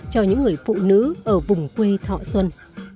cho những người phụ nữ ở vùng quê thọ xuân